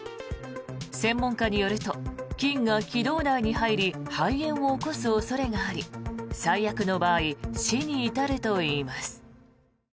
専門家によると菌が気道内に入り肺炎を起こす恐れがあり最悪の場合死に至るといいます。